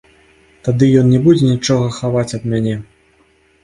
Тады ён не будзе нічога хаваць ад мяне.